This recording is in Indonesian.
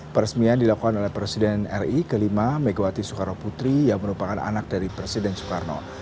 peresmian dilakukan oleh presiden ri ke lima megawati soekarno putri yang merupakan anak dari presiden soekarno